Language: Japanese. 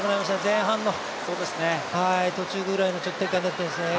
前半の途中ぐらいの展開になってますね。